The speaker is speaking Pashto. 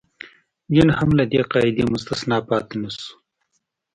دین هم له دې قاعدې مستثنا پاتې نه شو.